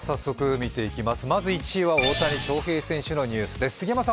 まず１位は大谷翔平選手のニュースです。